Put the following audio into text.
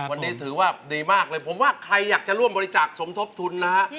วันนี้ถือว่าดีมากเลยผมว่าใครอยากจะร่วมบริจาคสมทบทุนนะฮะ